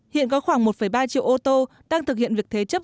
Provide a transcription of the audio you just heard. hiện có khoảng một ba triệu ô tô đang thực hiện việc thế chấp